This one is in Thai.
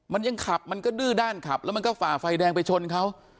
มันยังขับมันก็ดื้อด้านขับแล้วมันก็ฝ่าไฟแดงไปชนเขา